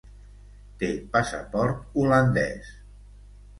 Té passaport holandès.